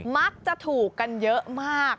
มักจะถูกกันเยอะมาก